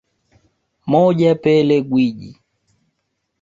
Moja Pele Gwiji